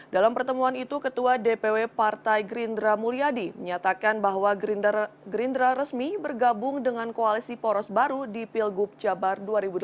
dalam pertemuan itu ketua dpw partai gerindra mulyadi menyatakan bahwa gerindra resmi bergabung dengan koalisi poros baru di pilgub jabar dua ribu delapan belas